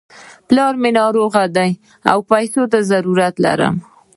پلار مې ناروغ دی، پيسو ته ضرورت لرم.